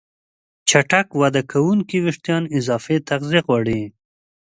چټک وده کوونکي وېښتيان اضافي تغذیه غواړي.